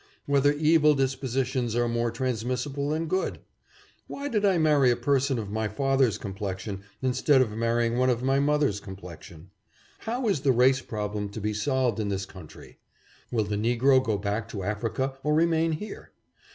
Whether evil dispositions are more transmissible than good ? Why did I marry a per son of my father's complexion instead of marrying one of my mother's complexion ? How is the race problem to be solved in this country ? Will the negro go back to Africa or remain here?